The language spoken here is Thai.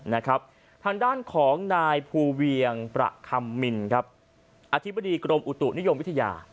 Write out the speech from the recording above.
ทางด้านของนายภูเวียงประคำมินครับอธิบดีกรมอุตุนิยมวิทยา